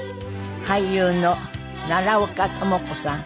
俳優の奈良岡朋子さん。